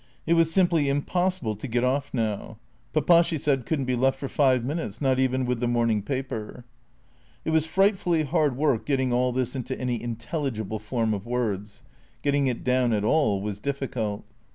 It was simply impossible to get off now. Papa, she said, could n't be left for five minutes, not even with the morning paper. It was frightfully hard work getting all this into any intel ligible form of words; getting it down at all was difficult.